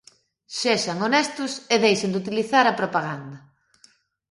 Sexan honestos e deixen de utilizar a propaganda.